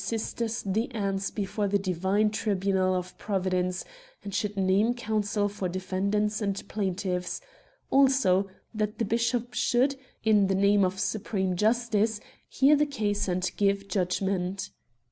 sisters the Ants before the divine tribunal of Providence, and should name counsel for defendants and plaintiffs ; also that the bishop should, in the name of supreme Justice, hear the case and give judgment.